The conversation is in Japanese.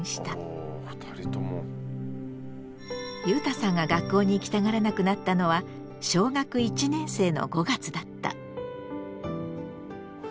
ゆうたさんが学校に行きたがらなくなったのは小学１年生の５月だった。